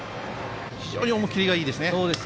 非常に思い切りがいいですよね。